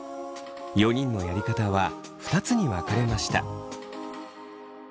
４人のやり方は２つに分かれました。